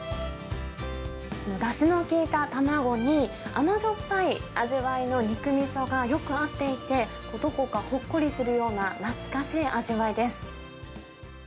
だしの効いた卵に、甘じょっぱい味わいの肉みそがよく合っていて、どこかほっこりするような懐かしい味わいです。